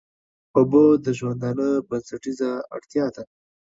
اوبه د ژوندانه بنسټيزه اړتيا ده.